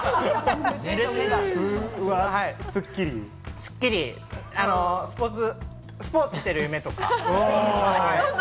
スッキリ、スポーツしてる夢とか。